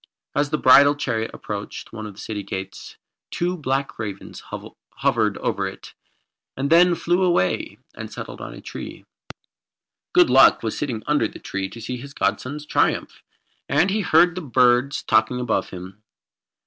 As the bridal chariot approached one of the city gates, two black ravens hovered over it, and then flew away, and settled on a tree. Good Luck was sitting under the tree to see his godson's triumph, and he heard the birds talking above him.